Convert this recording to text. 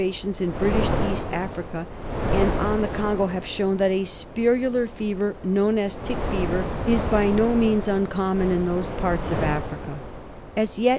tions in British East Africa and on the Congo have shown that a spirillar fever, known as " Tick fever," is by no means uncommon in those parts of Africa. As yet.